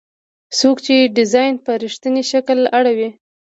څوک چې ډیزاین په رښتیني شکل اړوي.